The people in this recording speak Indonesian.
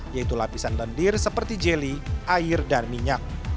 yaitu lapisan lendir seperti jeli air dan minyak